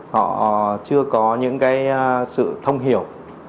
họ chưa có những cái sự thông hiểu